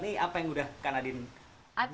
ini apa yang udah kanadin buat